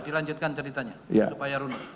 dilanjutkan ceritanya supaya runo